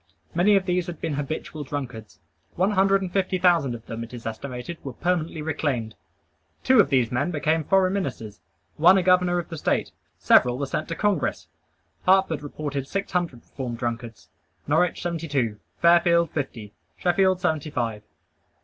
Many of these had been habitual drunkards. One hundred and fifty thousand of them, it is estimated, were permanently reclaimed. Two of these men became foreign ministers; one a governor of a State; several were sent to Congress. Hartford reported six hundred reformed drunkards; Norwich, seventy two; Fairfield, fifty; Sheffield, seventy five.